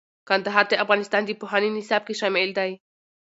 کندهار د افغانستان د پوهنې نصاب کې شامل دی.